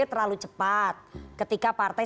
terlalu cepat ketika partai